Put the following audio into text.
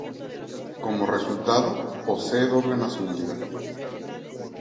Como resultado, posee doble nacionalidad.